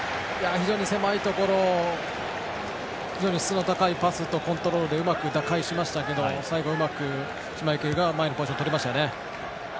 非常に狭いところでしたが質の高いパスとコントロールでうまく打開しましたけど最後、うまくシュマイケルが前にポジションをとりましたね。